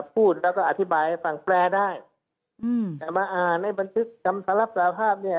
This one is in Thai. พูดแล้วก็อธิบายให้ฟังแปลได้อืมแต่มาอ่านในบันทึกคำรับสารภาพเนี่ย